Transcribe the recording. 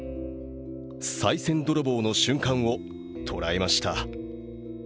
さい銭泥棒の瞬間を捉えました。